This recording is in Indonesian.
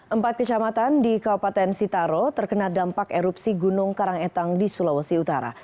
empat kecamatan di kabupaten sitaro terkena dampak erupsi gunung karangetang di sulawesi utara